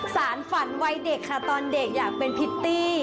สารฝันวัยเด็กค่ะตอนเด็กอยากเป็นพิตตี้